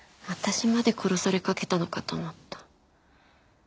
私まで殺されかけたのかと思った。